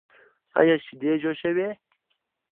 ایا شیدې جوشوئ؟